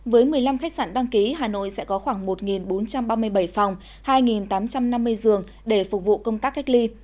với một mươi năm khách sạn đăng ký hà nội sẽ có khoảng một bốn trăm ba mươi bảy phòng hai tám trăm năm mươi giường để phục vụ công tác cách ly